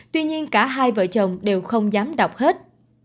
tuy nhiên cả hai vợ chồng đều không dám đọc hết